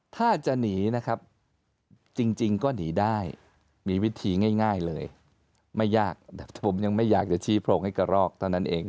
ถ้าจะหนีนะครับจริงก็หนีได้มีวิธีง่ายเลยไม่ยากผมยังไม่อยากจะชี้โพรงให้กระรอกเท่านั้นเอง